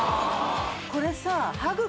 これさ